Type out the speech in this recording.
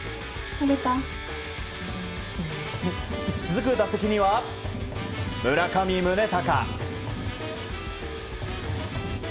続く打席には村上宗隆。